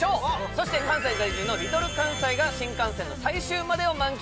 そして関西在住のＬｉｌかんさいが新幹線の最終までを満喫